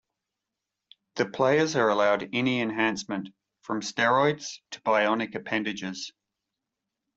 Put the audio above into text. The players are allowed any enhancement, from steroids to bionic appendages.